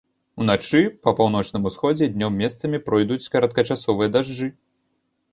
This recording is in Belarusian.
Уначы па паўночным усходзе, днём месцамі пройдуць кароткачасовыя дажджы.